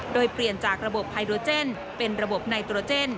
โดยเปลี่ยนจากระบบไฮโดรเจนเป็นระบบไนโตรเจน